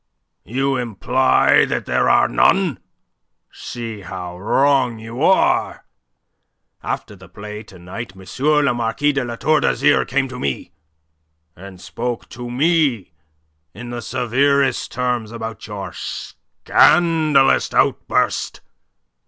"You imply that there are none? See how wrong you are. After the play to night M. le Marquis de La Tour d'Azyr came to me, and spoke to me in the severest terms about your scandalous outburst.